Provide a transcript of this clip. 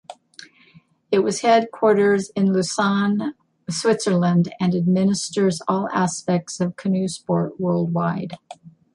It is headquartered in Lausanne, Switzerland, and administers all aspects of canoe sport worldwide.